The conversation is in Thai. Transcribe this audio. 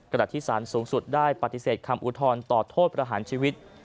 ที่สารสูงสุดได้ปฏิเสธคำอุทธรณ์ต่อโทษประหารชีวิต